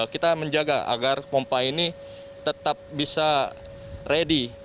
kita menjaga agar pompa ini tetap bisa ready